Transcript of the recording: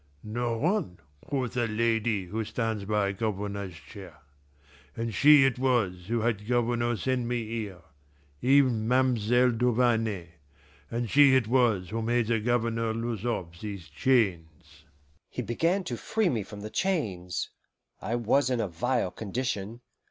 'No one,' quoth a lady who stands by Governor's chair. And she it was who had Governor send me here even Ma'm'selle Duvarney. And she it was who made the Governor loose off these chains." He began to free me from the chains. I was in a vile condition.